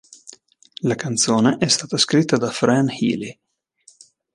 La canzone è stata scritta da Fran Healy.